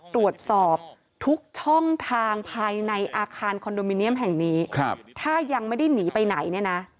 ตรวจสอบทุกช่องทางภายในอาคารแห่งนี้ครับถ้ายังไม่ได้หนีไปไหนเนี่ยนะ